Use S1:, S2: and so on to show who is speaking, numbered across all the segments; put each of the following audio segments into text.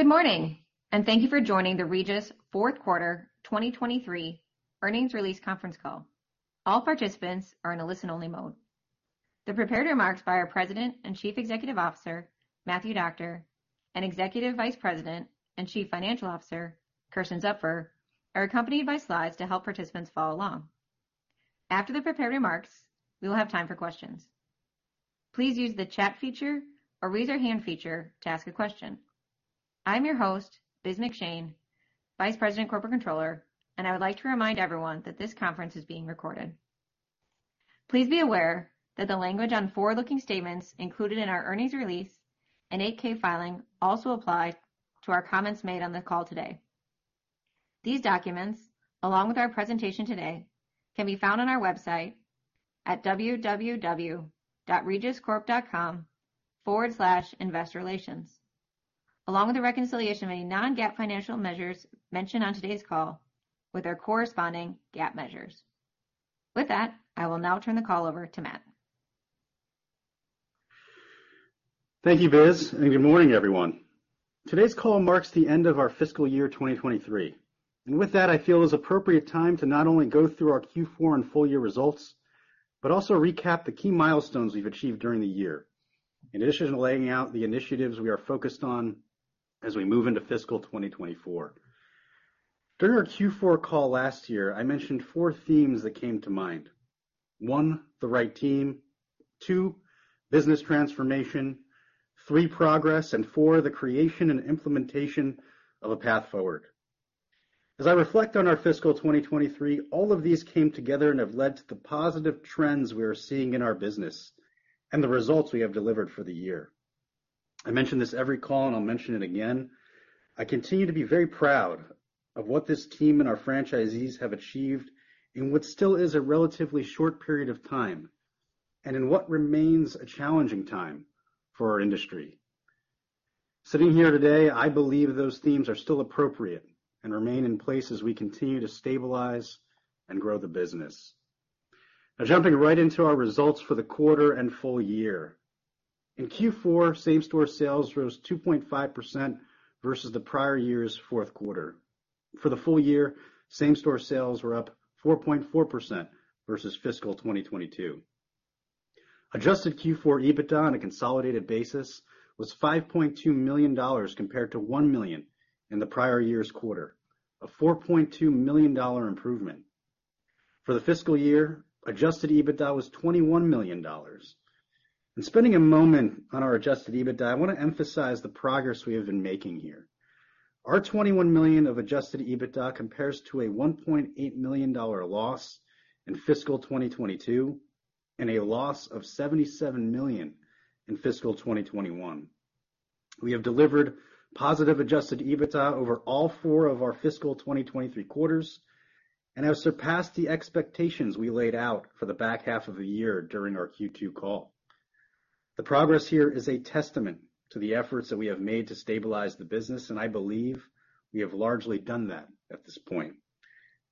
S1: Good morning. Thank you for joining the Regis Q4 2023 earnings release conference call. All participants are in a listen-only mode. The prepared remarks by our President and Chief Executive Officer, Matthew Doctor, and Executive Vice President and Chief Financial Officer, Kersten Zupfer, are accompanied by slides to help participants follow along. After the prepared remarks, we will have time for questions. Please use the chat feature or raise your hand feature to ask a question. I'm your host, Elizabeth McShane, Vice President, Corporate Controller, and I would like to remind everyone that this conference is being recorded. Please be aware that the language on forward-looking statements included in our earnings release and Form 8-K filing also apply to our comments made on the call today. These documents, along with our presentation today, can be found on our website at www.regiscorp.com/investor-relations, along with a reconciliation of any non-GAAP financial measures mentioned on today's call with our corresponding GAAP measures. With that, I will now turn the call over to Matt.
S2: Thank you, Biz, and good morning, everyone. Today's call marks the end of our fiscal year 2023, and with that, I feel it's an appropriate time to not only go through our Q4 and full year results, but also recap the key milestones we've achieved during the year, in addition to laying out the initiatives we are focused on as we move into fiscal 2024. During our Q4 call last year, I mentioned four themes that came to mind: one, the right team; two, business transformation; three, progress, and four, the creation and implementation of a path forward. As I reflect on our fiscal 2023, all of these came together and have led to the positive trends we are seeing in our business and the results we have delivered for the year. I mention this every call, and I'll mention it again. I continue to be very proud of what this team and our franchisees have achieved in what still is a relatively short period of time and in what remains a challenging time for our industry. Sitting here today, I believe those themes are still appropriate and remain in place as we continue to stabilize and grow the business. Jumping right into our results for the quarter and full year. In Q4, same-store sales rose 2.5% versus the prior year's Q4. For the full year, same-store sales were up 4.4% versus fiscal 2022. Adjusted Q4 EBITDA on a consolidated basis was $5.2 million compared to $1 million in the prior year's quarter, a $4.2 million improvement. For the fiscal year, Adjusted EBITDA was $21 million. Spending a moment on our Adjusted EBITDA, I want to emphasize the progress we have been making here. Our $21 million of Adjusted EBITDA compares to a $1.8 million loss in fiscal 2022 and a loss of $77 million in fiscal 2021. We have delivered positive Adjusted EBITDA over all 4 of our fiscal 2023 quarters and have surpassed the expectations we laid out for the back half of the year during our Q2 call. The progress here is a testament to the efforts that we have made to stabilize the business, and I believe we have largely done that at this point.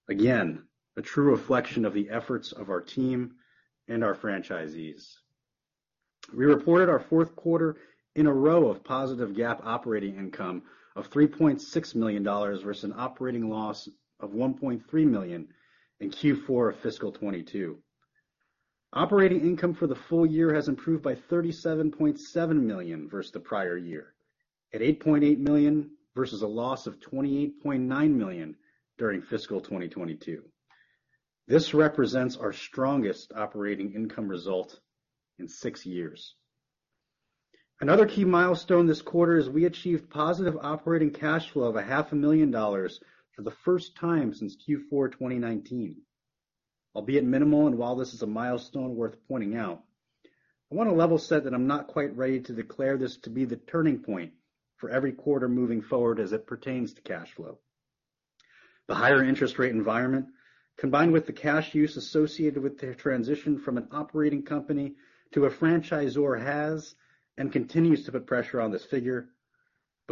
S2: Again, a true reflection of the efforts of our team and our franchisees. We reported our Q4 in a row of positive GAAP operating income of $3.6 million versus an operating loss of $1.3 million in Q4 of fiscal 2022. Operating income for the full year has improved by $37.7 million versus the prior year, at $8.8 million versus a loss of $28.9 million during fiscal 2022. This represents our strongest operating income result in 6 years. Another key milestone this quarter is we achieved positive operating cash flow of $500,000 for the first time since Q4 2019. Albeit minimal, and while this is a milestone worth pointing out, I want to level set that I'm not quite ready to declare this to be the turning point for every quarter moving forward as it pertains to cash flow. The higher interest rate environment, combined with the cash use associated with the transition from an operating company to a franchisor, has and continues to put pressure on this figure.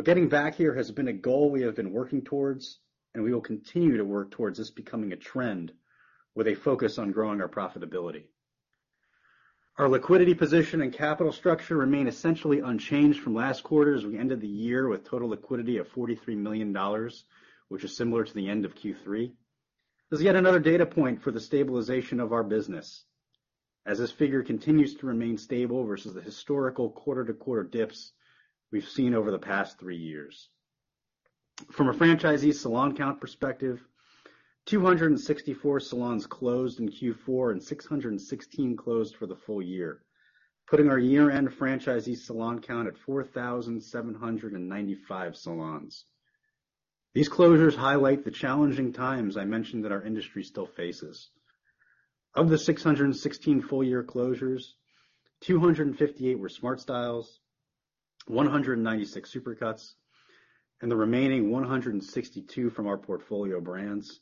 S2: Getting back here has been a goal we have been working towards, and we will continue to work towards this becoming a trend with a focus on growing our profitability. Our liquidity position and capital structure remain essentially unchanged from last quarter, as we ended the year with total liquidity of $43 million, which is similar to the end of Q3. This is yet another data point for the stabilization of our business, as this figure continues to remain stable versus the historical quarter-to-quarter dips we've seen over the past three years. From a franchisee salon count perspective, 264 salons closed in Q4, 616 closed for the full year, putting our year-end franchisee salon count at 4,795 salons. These closures highlight the challenging times I mentioned that our industry still faces. Of the 616 full-year closures, 258 were SmartStyle, 196 Supercuts, and the remaining 162 from our portfolio brands.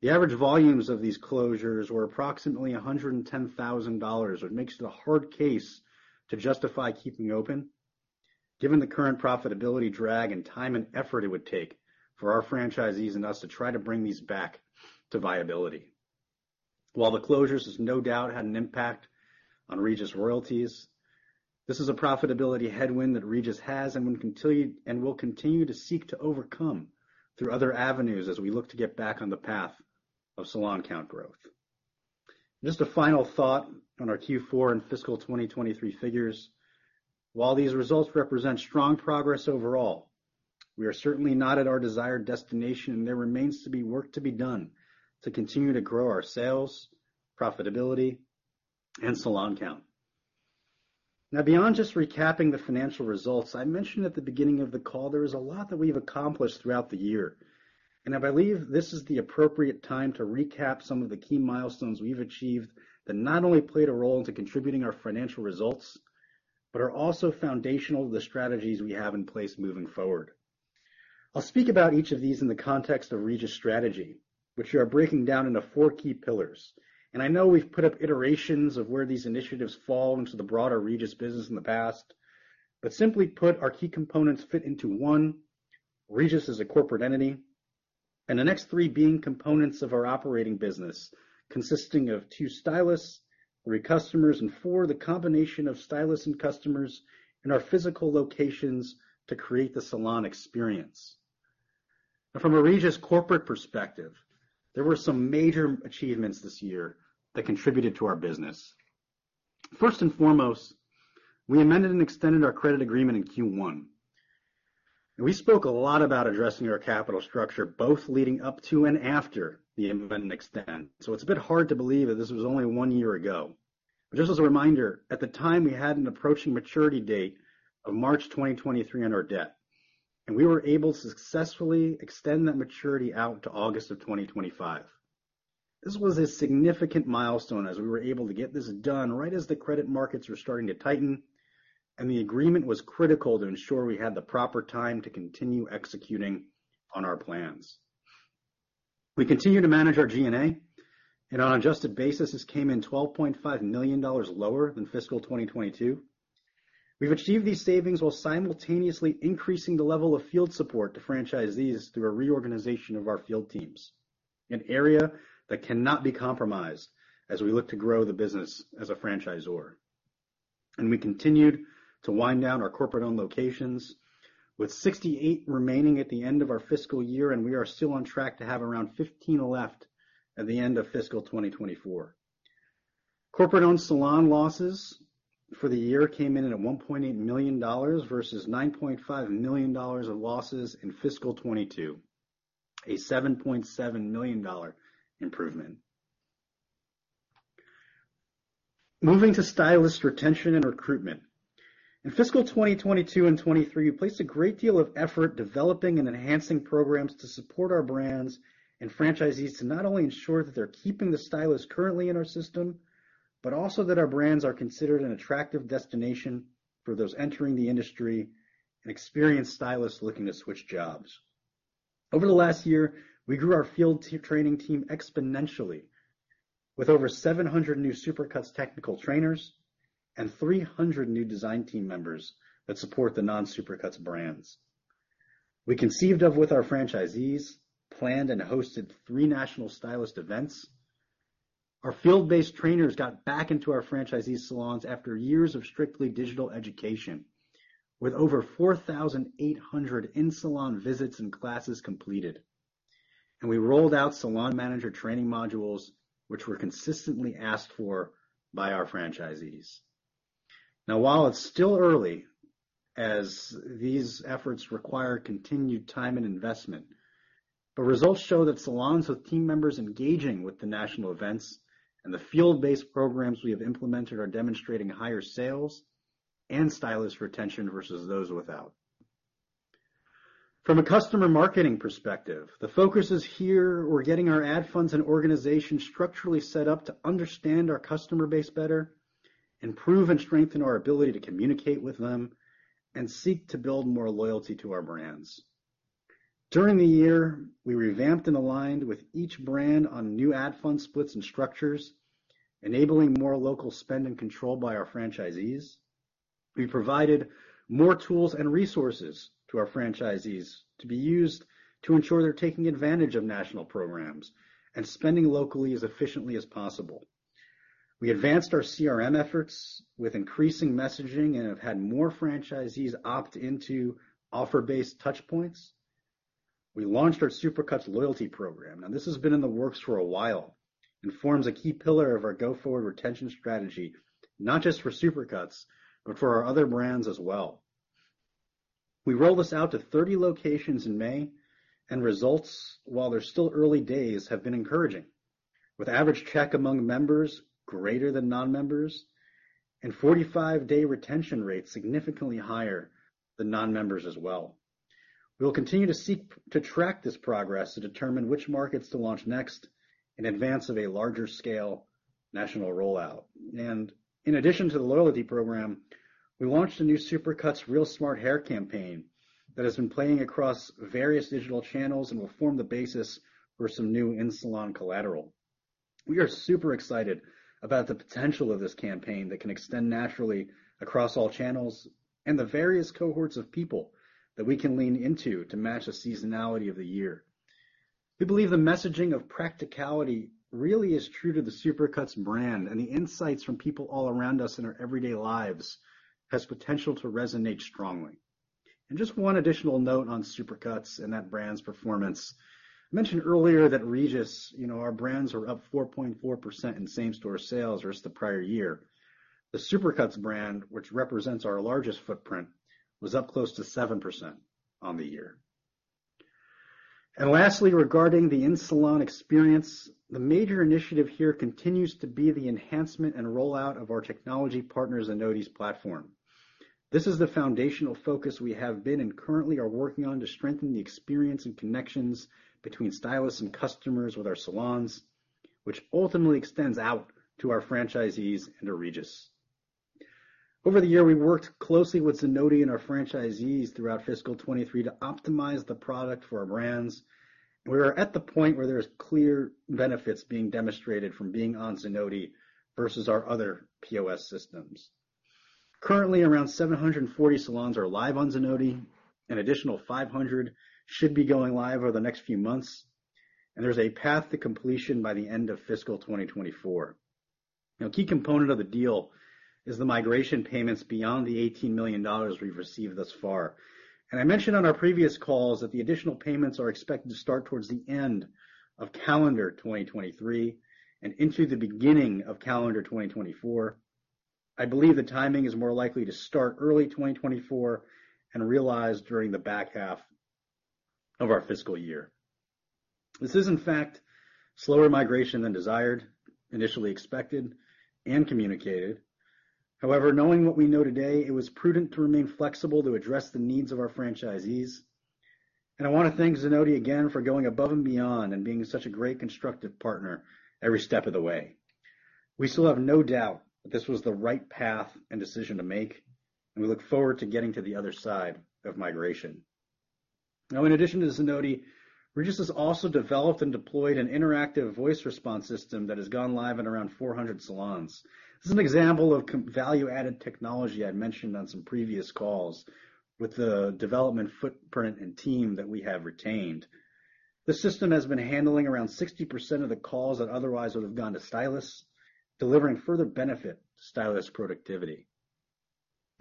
S2: The average volumes of these closures were approximately $110,000, which makes it a hard case to justify keeping open, given the current profitability drag and time and effort it would take for our franchisees and us to try to bring these back to viability. While the closures has no doubt had an impact on Regis royalties, this is a profitability headwind that Regis has and will continue, and will continue to seek to overcome through other avenues as we look to get back on the path of salon count growth. Just a final thought on our Q4 and fiscal 2023 figures. While these results represent strong progress overall, we are certainly not at our desired destination, and there remains to be work to be done to continue to grow our sales, profitability, and salon count. Beyond just recapping the financial results, I mentioned at the beginning of the call, there is a lot that we have accomplished throughout the year, and I believe this is the appropriate time to recap some of the key milestones we've achieved that not only played a role into contributing our financial results, but are also foundational to the strategies we have in place moving forward. I'll speak about each of these in the context of Regis strategy, which we are breaking down into four key pillars. I know we've put up iterations of where these initiatives fall into the broader Regis business in the past, but simply put, our key components fit into 1, Regis as a corporate entity, and the next 3 being components of our operating business, consisting of 2, stylists, 3, customers, and 4, the combination of stylists and customers in our physical locations to create the salon experience. From a Regis corporate perspective, there were some major achievements this year that contributed to our business. First and foremost, we amended and extended our credit agreement in Q1. We spoke a lot about addressing our capital structure, both leading up to and after the amend and extend. It's a bit hard to believe that this was only 1 year ago. Just as a reminder, at the time, we had an approaching maturity date of March 2023 on our debt, and we were able to successfully extend that maturity out to August 2025. This was a significant milestone as we were able to get this done right as the credit markets were starting to tighten, and the agreement was critical to ensure we had the proper time to continue executing on our plans. We continued to manage our G&A, and on an adjusted basis, this came in $12.5 million lower than fiscal 2022. We've achieved these savings while simultaneously increasing the level of field support to franchisees through a reorganization of our field teams, an area that cannot be compromised as we look to grow the business as a franchisor. We continued to wind down our corporate-owned locations, with 68 remaining at the end of our fiscal year, and we are still on track to have around 15 left at the end of fiscal 2024. Corporate-owned salon losses for the year came in at $1.8 million versus $9.5 million of losses in fiscal 2022, a $7.7 million improvement. Moving to stylist retention and recruitment. In fiscal 2022 and 2023, we placed a great deal of effort developing and enhancing programs to support our brands and franchisees to not only ensure that they're keeping the stylists currently in our system, but also that our brands are considered an attractive destination for those entering the industry and experienced stylists looking to switch jobs. Over the last year, we grew our field team training team exponentially, with over 700 new Supercuts technical trainers and 300 new design team members that support the non-Supercuts brands. We conceived of with our franchisees, planned and hosted three national stylist events. Our field-based trainers got back into our franchisees' salons after years of strictly digital education, with over 4,800 in-salon visits and classes completed, and we rolled out salon manager training modules, which were consistently asked for by our franchisees. Now, while it's still early, as these efforts require continued time and investment, but results show that salons with team members engaging with the national events and the field-based programs we have implemented are demonstrating higher sales and stylist retention versus those without. From a customer marketing perspective, the focus is here. We're getting our ad funds and organization structurally set up to understand our customer base better, improve and strengthen our ability to communicate with them, and seek to build more loyalty to our brands. During the year, we revamped and aligned with each brand on new ad fund splits and structures, enabling more local spend and control by our franchisees. We provided more tools and resources to our franchisees to be used to ensure they're taking advantage of national programs and spending locally as efficiently as possible. We advanced our CRM efforts with increasing messaging and have had more franchisees opt into offer-based touch points. We launched our Supercuts loyalty program. This has been in the works for a while and forms a key pillar of our go-forward retention strategy, not just for Supercuts, but for our other brands as well. We rolled this out to 30 locations in May, results, while they're still early days, have been encouraging, with average check among members greater than non-members and 45-day retention rates significantly higher than non-members as well. We will continue to seek to track this progress to determine which markets to launch next in advance of a larger scale national rollout. In addition to the loyalty program, we launched a new Supercuts Real Smart Hair campaign that has been playing across various digital channels and will form the basis for some new in-salon collateral. We are super excited about the potential of this campaign that can extend naturally across all channels and the various cohorts of people that we can lean into to match the seasonality of the year.... We believe the messaging of practicality really is true to the Supercuts brand, the insights from people all around us in our everyday lives has potential to resonate strongly. Just one additional note on Supercuts and that brand's performance. I mentioned earlier that Regis, you know, our brands are up 4.4% in same-store sales versus the prior year. The Supercuts brand, which represents our largest footprint, was up close to 7% on the year. Lastly, regarding the in-salon experience, the major initiative here continues to be the enhancement and rollout of our technology partners, Zenoti's platform. This is the foundational focus we have been, and currently are working on to strengthen the experience and connections between stylists and customers with our salons, which ultimately extends out to our franchisees and to Regis. Over the year, we worked closely with Zenoti and our franchisees throughout fiscal 2023 to optimize the product for our brands. We are at the point where there's clear benefits being demonstrated from being on Zenoti versus our other POS systems. Currently, around 740 salons are live on Zenoti. An additional 500 should be going live over the next few months, and there's a path to completion by the end of fiscal 2024. Now, a key component of the deal is the migration payments beyond the $18 million we've received thus far. I mentioned on our previous calls that the additional payments are expected to start towards the end of calendar 2023 and into the beginning of calendar 2024. I believe the timing is more likely to start early 2024 and realized during the back half of our fiscal year. This is, in fact, slower migration than desired, initially expected and communicated. However, knowing what we know today, it was prudent to remain flexible to address the needs of our franchisees. I want to thank Zenoti again for going above and beyond and being such a great constructive partner every step of the way. We still have no doubt that this was the right path and decision to make, and we look forward to getting to the other side of migration. In addition to Zenoti, Regis has also developed and deployed an interactive voice response system that has gone live in around 400 salons. This is an example of value-added technology I'd mentioned on some previous calls with the development footprint and team that we have retained. The system has been handling around 60% of the calls that otherwise would have gone to stylists, delivering further benefit to stylist productivity.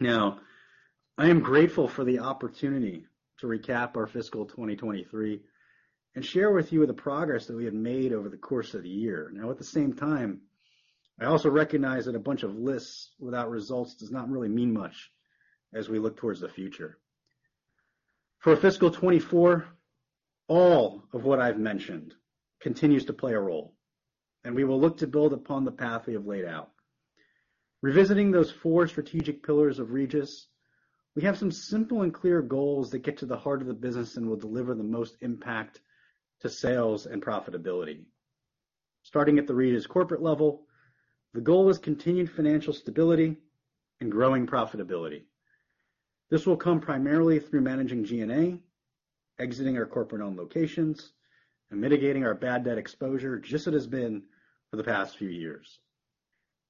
S2: I am grateful for the opportunity to recap our fiscal 2023 and share with you the progress that we have made over the course of the year. At the same time, I also recognize that a bunch of lists without results does not really mean much as we look towards the future. For fiscal 2024, all of what I've mentioned continues to play a role, and we will look to build upon the path we have laid out. Revisiting those four strategic pillars of Regis, we have some simple and clear goals that get to the heart of the business and will deliver the most impact to sales and profitability. Starting at the Regis corporate level, the goal is continued financial stability and growing profitability. This will come primarily through managing G&A, exiting our corporate-owned locations, and mitigating our bad debt exposure, just as it has been for the past few years.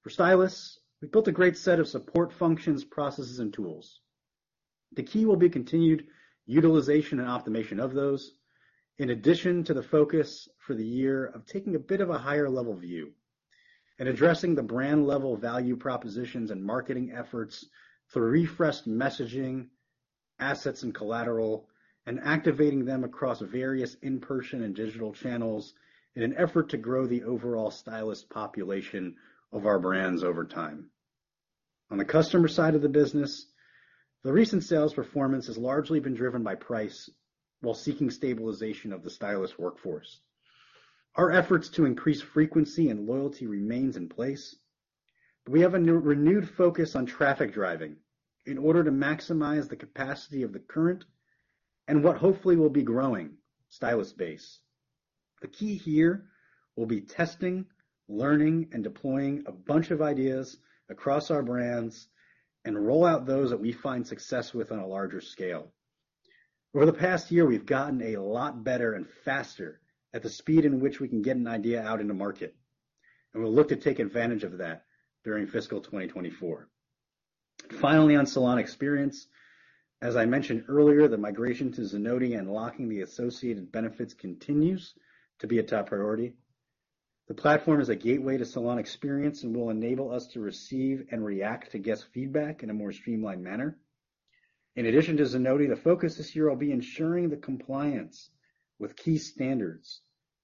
S2: For stylists, we've built a great set of support functions, processes, and tools. The key will be continued utilization and optimization of those, in addition to the focus for the year of taking a bit of a higher-level view and addressing the brand level value propositions and marketing efforts through refreshed messaging, assets, and collateral, and activating them across various in-person and digital channels in an effort to grow the overall stylist population of our brands over time. On the customer side of the business, the recent sales performance has largely been driven by price, while seeking stabilization of the stylist workforce. Our efforts to increase frequency and loyalty remains in place, but we have a new renewed focus on traffic driving in order to maximize the capacity of the current and what hopefully will be growing stylist base. The key here will be testing, learning, and deploying a bunch of ideas across our brands and roll out those that we find success with on a larger scale. Over the past year, we've gotten a lot better and faster at the speed in which we can get an idea out in the market, and we'll look to take advantage of that during fiscal 2024. Finally, on salon experience, as I mentioned earlier, the migration to Zenoti and unlocking the associated benefits continues to be a top priority. The platform is a gateway to salon experience and will enable us to receive and react to guest feedback in a more streamlined manner. In addition to Zenoti, the focus this year will be ensuring the compliance with key standards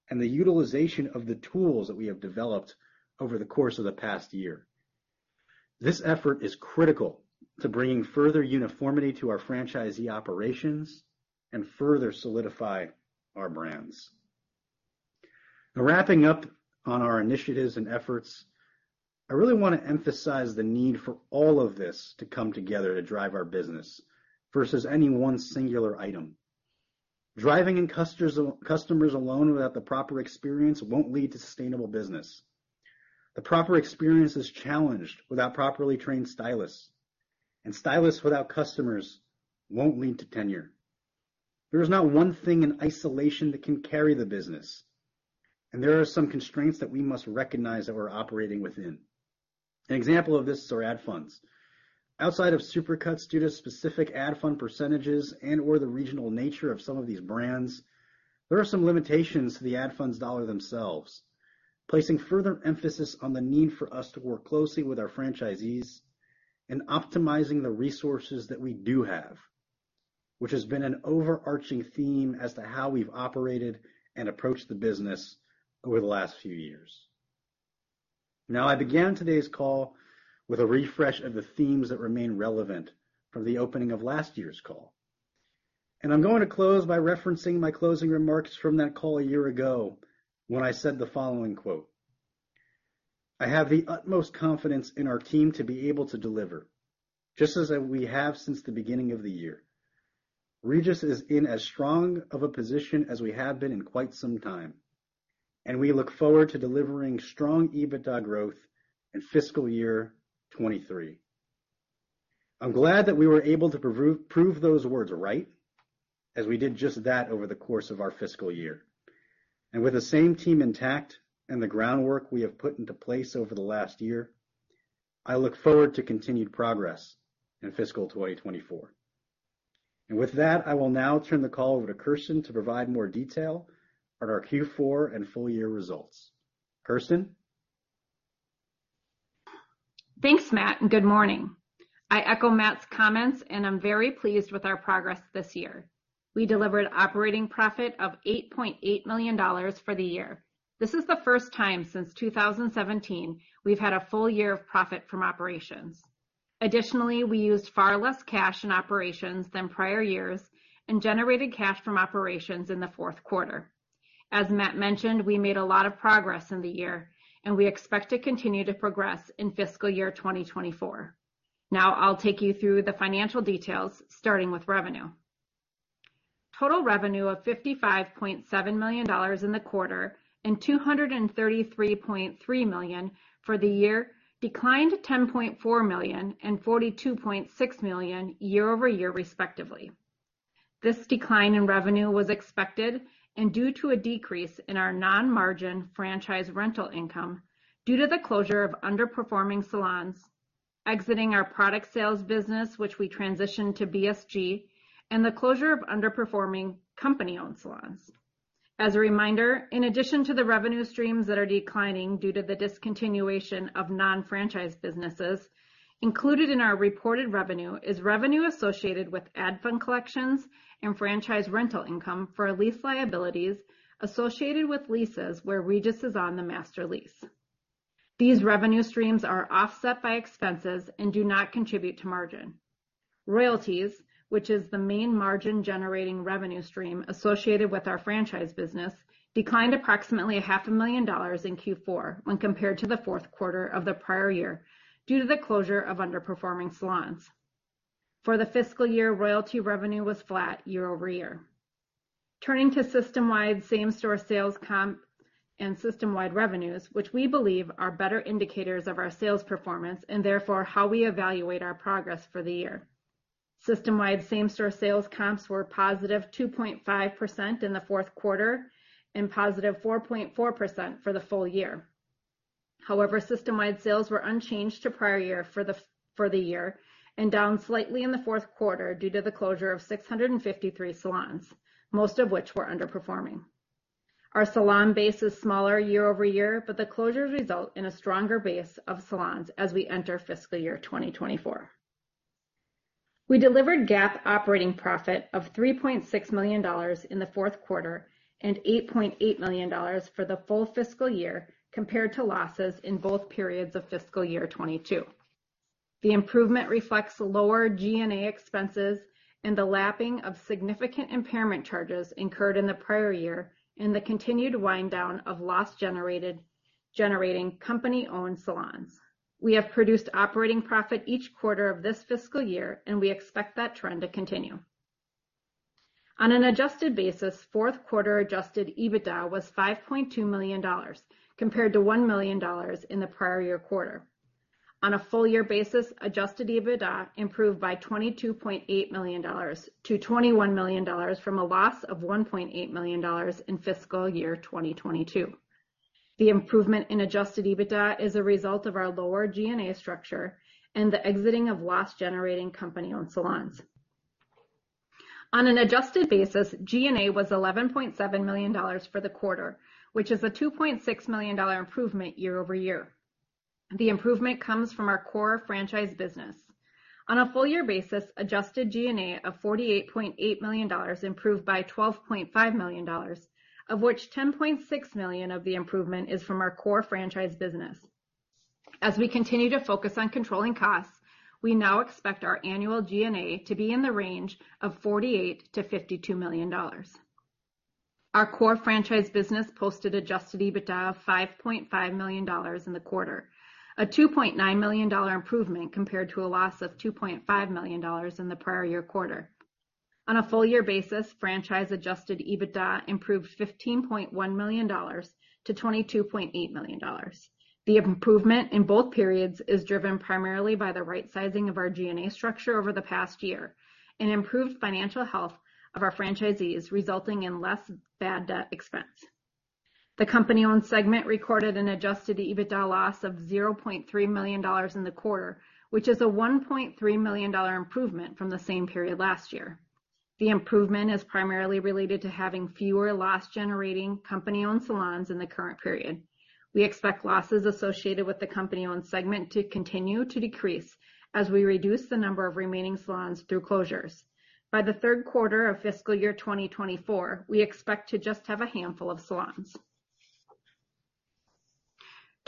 S2: and the utilization of the tools that we have developed over the course of the past year. This effort is critical to bringing further uniformity to our franchisee operations and further solidify our brands. Now, wrapping up on our initiatives and efforts, I really want to emphasize the need for all of this to come together to drive our business versus any one singular item. Driving customers alone without the proper experience won't lead to sustainable business. The proper experience is challenged without properly trained stylists, and stylists without customers won't lead to tenure. There is not one thing in isolation that can carry the business. There are some constraints that we must recognize that we're operating within. An example of this is our ad funds. Outside of Supercuts, due to specific ad fund percentages and/or the regional nature of some of these brands, there are some limitations to the ad funds dollar themselves, placing further emphasis on the need for us to work closely with our franchisees in optimizing the resources that we do have, which has been an overarching theme as to how we've operated and approached the business over the last few years. I began today's call with a refresh of the themes that remain relevant from the opening of last year's call, and I'm going to close by referencing my closing remarks from that call a year ago, when I said the following quote, "I have the utmost confidence in our team to be able to deliver, just as we have since the beginning of the year. Regis is in as strong of a position as we have been in quite some time, and we look forward to delivering strong EBITDA growth in fiscal year 2023." I'm glad that we were able to prove those words right, as we did just that over the course of our fiscal year. With the same team intact and the groundwork we have put into place over the last year, I look forward to continued progress in fiscal 2024. With that, I will now turn the call over to Kersten to provide more detail on our Q4 and full year results. Kersten?
S3: Thanks, Matt. Good morning. I echo Matt's comments. I'm very pleased with our progress this year. We delivered operating profit of $8.8 million for the year. This is the first time since 2017 we've had a full year of profit from operations. Additionally, we used far less cash in operations than prior years and generated cash from operations in the Q4. As Matt mentioned, we made a lot of progress in the year, and we expect to continue to progress in fiscal year 2024. Now I'll take you through the financial details, starting with revenue. Total revenue of $55.7 million in the quarter and $233.3 million for the year declined to $10.4 million and $42.6 million year-over-year, respectively. This decline in revenue was expected and due to a decrease in our non-margin franchise rental income due to the closure of underperforming salons, exiting our product sales business, which we transitioned to BSG, and the closure of underperforming company-owned salons. As a reminder, in addition to the revenue streams that are declining due to the discontinuation of non-franchise businesses, included in our reported revenue is revenue associated with ad fund collections and franchise rental income for lease liabilities associated with leases where Regis is on the master lease. These revenue streams are offset by expenses and do not contribute to margin. Royalties, which is the main margin-generating revenue stream associated with our franchise business, declined approximately $500,000 in Q4 when compared to the Q4 of the prior year, due to the closure of underperforming salons. For the fiscal year, royalty revenue was flat year-over-year. Turning to system-wide same-store sales comp and system-wide revenues, which we believe are better indicators of our sales performance and therefore how we evaluate our progress for the year. System-wide same-store sales comps were positive 2.5% in the Q4 and positive 4.4% for the full year. System-wide sales were unchanged to prior year for the year and down slightly in the Q4 due to the closure of 653 salons, most of which were underperforming. Our salon base is smaller year-over-year, but the closures result in a stronger base of salons as we enter fiscal year 2024. We delivered GAAP operating profit of $3.6 million in the Q4 and $8.8 million for the full fiscal year, compared to losses in both periods of fiscal year 2022. The improvement reflects lower G&A expenses and the lapping of significant impairment charges incurred in the prior year and the continued wind down of loss generated - generating company-owned salons. We have produced operating profit each quarter of this fiscal year, and we expect that trend to continue. On an adjusted basis, Q4 Adjusted EBITDA was $5.2 million, compared to $1 million in the prior year quarter. On a full year basis, Adjusted EBITDA improved by $22.8 million to $21 million from a loss of $1.8 million in fiscal year 2022. The improvement in Adjusted EBITDA is a result of our lower G&A structure and the exiting of loss-generating company-owned salons. On an adjusted basis, G&A was $11.7 million for the quarter, which is a $2.6 million improvement year-over-year. The improvement comes from our core franchise business. On a full year basis, adjusted G&A of $48.8 million improved by $12.5 million, of which $10.6 million of the improvement is from our core franchise business. As we continue to focus on controlling costs, we now expect our annual G&A to be in the range of $48 million-$52 million. Our core franchise business posted Adjusted EBITDA of $5.5 million in the quarter, a $2.9 million improvement compared to a loss of $2.5 million in the prior year quarter. On a full year basis, franchise Adjusted EBITDA improved $15.1 million to $22.8 million. The improvement in both periods is driven primarily by the right sizing of our G&A structure over the past year and improved financial health of our franchisees, resulting in less bad debt expense. The company-owned segment recorded an Adjusted EBITDA loss of $0.3 million in the quarter, which is a $1.3 million improvement from the same period last year. The improvement is primarily related to having fewer loss-generating company-owned salons in the current period. We expect losses associated with the company-owned segment to continue to decrease as we reduce the number of remaining salons through closures. By the Q3 of fiscal year 2024, we expect to just have a handful of salons.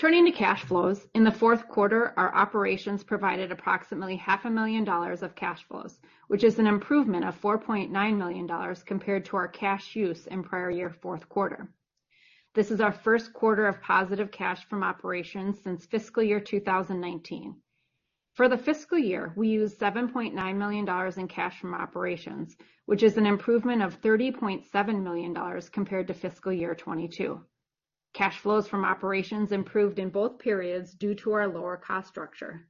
S3: Turning to cash flows. In the Q4, our operations provided approximately $500,000 of cash flows, which is an improvement of $4.9 million compared to our cash use in prior year, Q4. This is our Q1 of positive cash from operations since fiscal year 2019. For the fiscal year, we used $7.9 million in cash from operations, which is an improvement of $30.7 million compared to fiscal year 2022. Cash flows from operations improved in both periods due to our lower cost structure.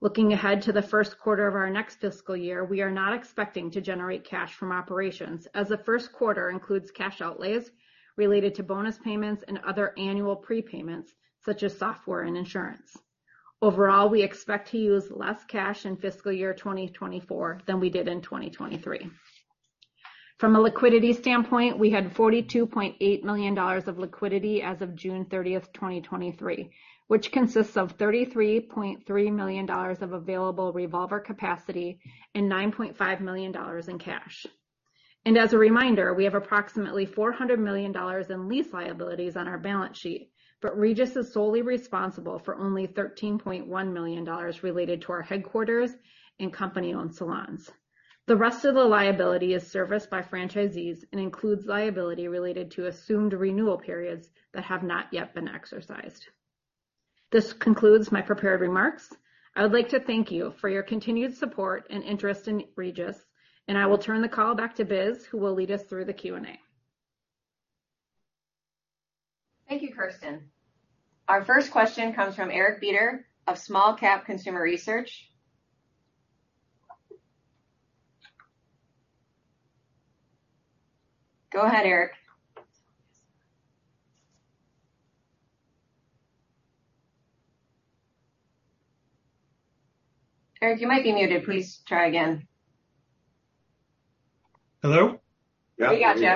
S3: Looking ahead to the Q1 of our next fiscal year, we are not expecting to generate cash from operations, as the Q1 includes cash outlays related to bonus payments and other annual prepayments, such as software and insurance. Overall, we expect to use less cash in fiscal year 2024 than we did in 2023. From a liquidity standpoint, we had $42.8 million of liquidity as of June 30, 2023, which consists of $33.3 million of available revolver capacity and $9.5 million in cash. As a reminder, we have approximately $400 million in lease liabilities on our balance sheet, but Regis is solely responsible for only $13.1 million related to our headquarters and company-owned salons. The rest of the liability is serviced by franchisees and includes liability related to assumed renewal periods that have not yet been exercised. This concludes my prepared remarks. I would like to thank you for your continued support and interest in Regis, and I will turn the call back to Biz, who will lead us through the Q&A.
S1: Thank you, Kersten. Our first question comes from Eric Beder of Small Cap Consumer Research. Go ahead, Eric. Eric, you might be muted. Please try again.
S4: Hello?
S1: Yeah, we got you.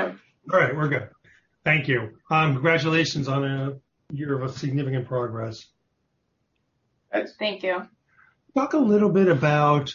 S4: All right, we're good. Thank you. Congratulations on a year of significant progress.
S3: Thanks. Thank you.
S4: Talk a little bit about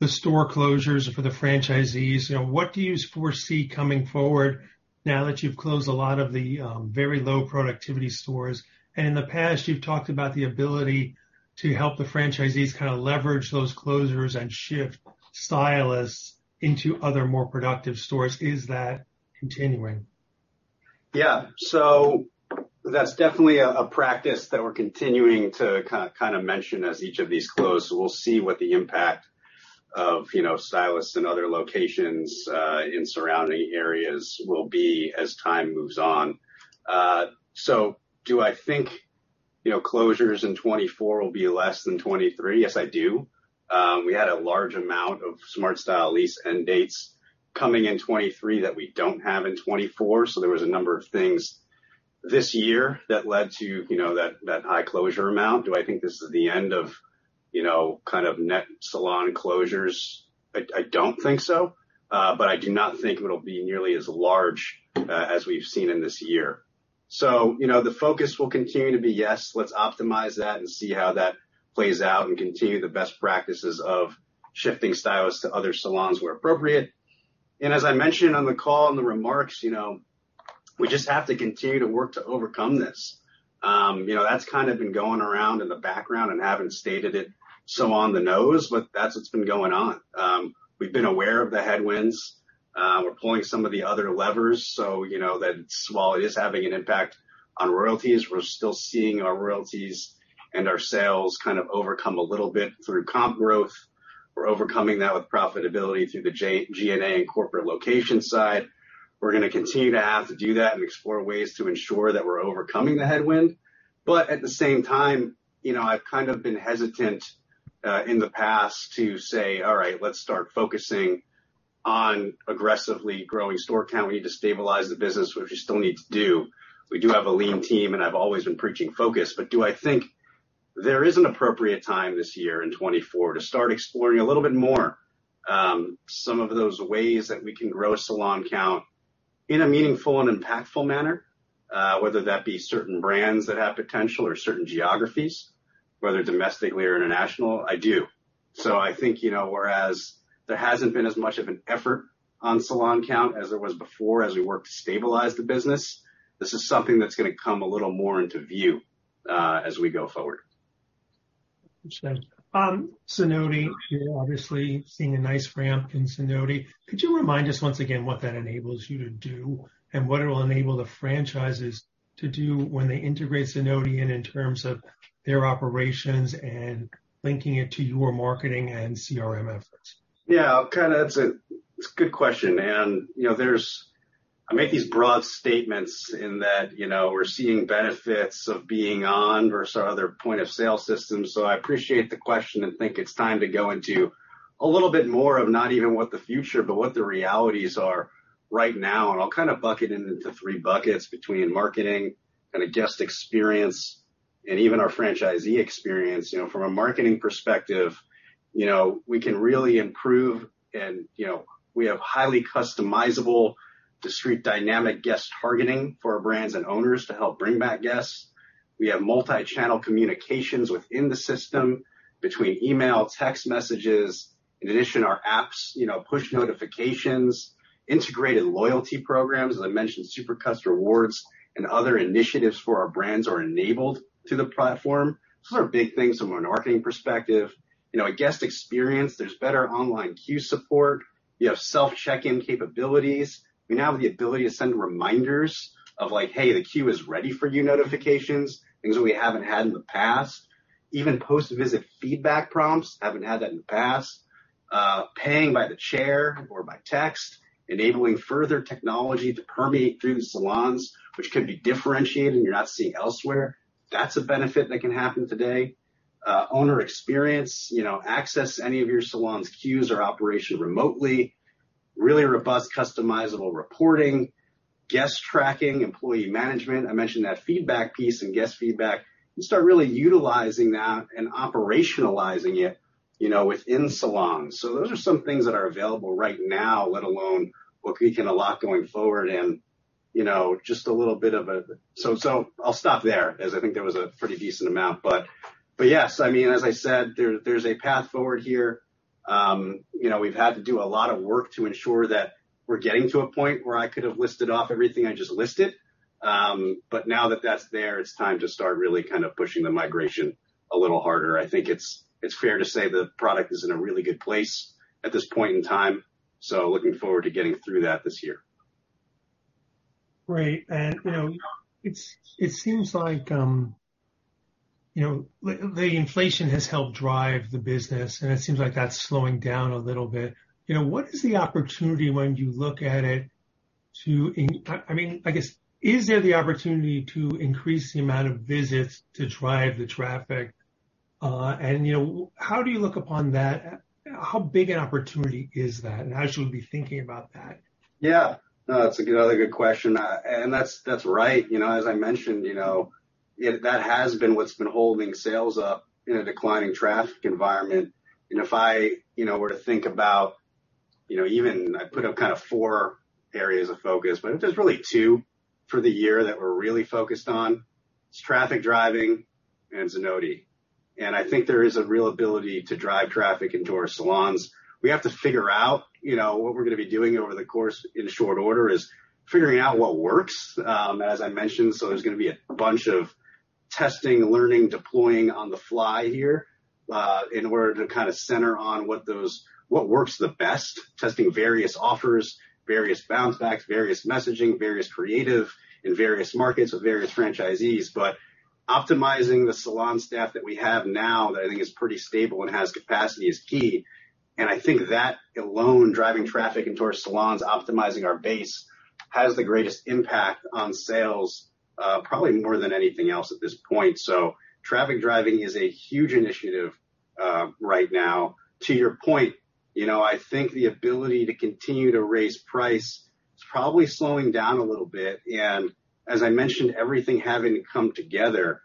S4: the store closures for the franchisees. You know, what do you foresee coming forward now that you've closed a lot of the very low productivity stores? In the past, you've talked about the ability to help the franchisees kind of leverage those closures and shift stylists into other, more productive stores. Is that continuing?
S2: Yeah. That's definitely a practice that we're continuing to kind of mention as each of these close. We'll see what the impact of, you know, stylists in other locations in surrounding areas will be as time moves on. Do I think, you know, closures in 2024 will be less than 2023? Yes, I do. We had a large amount of SmartStyle lease end dates coming in 2023 that we don't have in 2024, so there was a number of things this year that led to, you know, that, that high closure amount. Do I think this is the end of, you know, kind of net salon closures? I, I don't think so, but I do not think it'll be nearly as large as we've seen in this year. You know, the focus will continue to be, yes, let's optimize that and see how that plays out and continue the best practices of shifting stylists to other salons where appropriate. As I mentioned on the call, in the remarks, you know, we just have to continue to work to overcome this. You know, that's kind of been going around in the background and haven't stated it so on the nose, but that's what's been going on. We're pulling some of the other levers so, you know, that while it is having an impact on royalties, we're still seeing our royalties and our sales kind of overcome a little bit through comp growth. We're overcoming that with profitability through the G&A and corporate location side. We're gonna continue to have to do that and explore ways to ensure that we're overcoming the headwind, but at the same time, you know, I've kind of been hesitant in the past to say, "All right, let's start focusing on aggressively growing store count. We need to stabilize the business," which we still need to do. We do have a lean team, and I've always been preaching focus. But do I think there is an appropriate time this year in 2024 to start exploring a little bit more, some of those ways that we can grow salon count in a meaningful and impactful manner, whether that be certain brands that have potential or certain geographies, whether domestically or international? I do. I think, you know, whereas there hasn't been as much of an effort on salon count as there was before, as we work to stabilize the business, this is something that's gonna come a little more into view as we go forward.
S4: Understood. Zenoti, you're obviously seeing a nice ramp in Zenoti. Could you remind us once again, what that enables you to do and what it will enable the franchises to do when they integrate Zenoti in, in terms of their operations and linking it to your marketing and CRM efforts?
S2: Kind of... That's a good question, and, you know, I make these broad statements in that, you know, we're seeing benefits of being on versus our other point-of-sale systems. I appreciate the question and think it's time to go into a little bit more of not even what the future, but what the realities are right now, and I'll kind of bucket it into 3 buckets between marketing and the guest experience, and even our franchisee experience. You know, from a marketing perspective, you know, we can really improve and, you know, we have highly customizable, discrete dynamic guest targeting for our brands and owners to help bring back guests. We have multi-channel communications within the system between email, text messages. In addition, our apps, you know, push notifications, integrated loyalty programs, as I mentioned, Supercuts Rewards and other initiatives for our brands are enabled to the platform. These are big things from a marketing perspective. You know, a guest experience, there's better online queue support. You have self-check-in capabilities. We now have the ability to send reminders of like, "Hey, the queue is ready for you," notifications, things that we haven't had in the past. Even post-visit feedback prompts, haven't had that in the past. Paying by the chair or by text, enabling further technology to permeate through the salons, which can be differentiated and you're not seeing elsewhere. That's a benefit that can happen today. Owner experience, you know, access any of your salon's queues or operation remotely, really robust, customizable reporting, guest tracking, employee management. I mentioned that feedback piece and guest feedback, and start really utilizing that and operationalizing it, you know, within salons. Those are some things that are available right now, let alone what we can unlock going forward and, you know. I'll stop there, as I think that was a pretty decent amount. Yes, I mean, as I said, there, there's a path forward here. You know, we've had to do a lot of work to ensure that we're getting to a point where I could have listed off everything I just listed. Now that that's there, it's time to start really kind of pushing the migration a little harder. I think it's fair to say the product is in a really good place at this point in time. Looking forward to getting through that this year.
S4: Great. You know, it seems like, you know, the inflation has helped drive the business, and it seems like that's slowing down a little bit. You know, what is the opportunity when you look at it to I mean, I guess, is there the opportunity to increase the amount of visits to drive the traffic? You know, how do you look upon that? How big an opportunity is that, and how should we be thinking about that?
S2: Yeah. No, that's a good, another good question. That's, that's right. You know, as I mentioned, you know, if that has been what's been holding sales up in a declining traffic environment, and if I, you know, were to think about, you know, even I put up kind of four areas of focus, but there's really two for the year that we're really focused on, is traffic driving and Zenoti. I think there is a real ability to drive traffic into our salons. We have to figure out, you know, what we're gonna be doing over the course in short order is figuring out what works, as I mentioned, so there's gonna be a bunch of testing, learning, deploying on the fly here, in order to kinda center on what works the best, testing various offers, various bounce backs, various messaging, various creative in various markets with various franchisees. Optimizing the salon staff that we have now, that I think is pretty stable and has capacity, is key. I think that alone, driving traffic into our salons, optimizing our base, has the greatest impact on sales, probably more than anything else at this point. Traffic driving is a huge initiative, right now. To your point, you know, I think the ability to continue to raise price is probably slowing down a little bit, and as I mentioned, everything having to come together,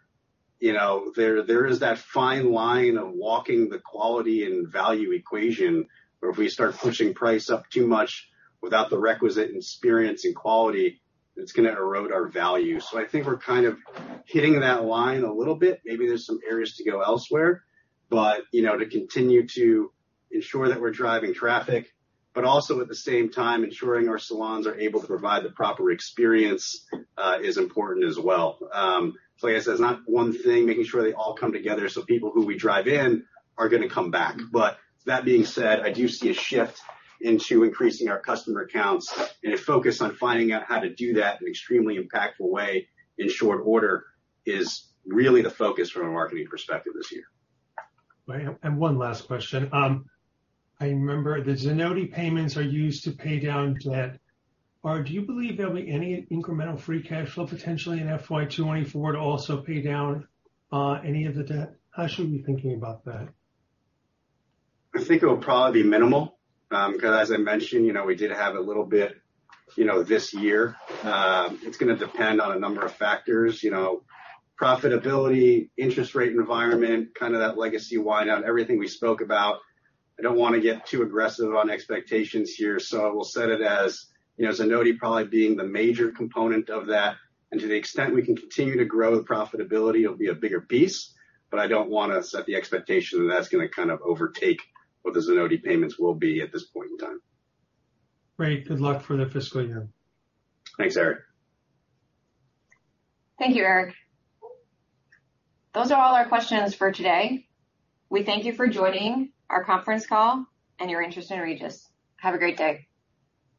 S2: you know, there, there is that fine line of walking the quality and value equation, where if we start pushing price up too much without the requisite experience and quality, it's gonna erode our value. I think we're kind of hitting that line a little bit. Maybe there's some areas to go elsewhere, but, you know, to continue to ensure that we're driving traffic, but also at the same time, ensuring our salons are able to provide the proper experience, is important as well. Like I said, it's not one thing, making sure they all come together so people who we drive in are gonna come back. That being said, I do see a shift into increasing our customer counts, and a focus on finding out how to do that in an extremely impactful way, in short order, is really the focus from a marketing perspective this year.
S4: Right. One last question. I remember the Zenoti payments are used to pay down debt, or do you believe there'll be any incremental free cash flow, potentially in FY 2024 to also pay down, any of the debt? How should we be thinking about that?
S2: I think it will probably be minimal, because as I mentioned, you know, we did have a little bit, you know, this year. It's gonna depend on a number of factors, you know, profitability, interest rate environment, kind of that legacy wind down, everything we spoke about. I don't wanna get too aggressive on expectations here. We'll set it as, you know, Zenoti probably being the major component of that, and to the extent we can continue to grow the profitability, it'll be a bigger piece, but I don't wanna set the expectation that's gonna kind of overtake what the Zenoti payments will be at this point in time.
S4: Great. Good luck for the fiscal year.
S2: Thanks, Eric.
S1: Thank you, Eric. Those are all our questions for today. We thank you for joining our conference call and your interest in Regis. Have a great day.